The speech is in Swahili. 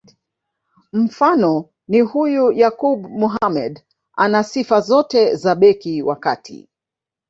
Mfano ni huyu Yakub Mohamed ana sifa zote za beki wa kati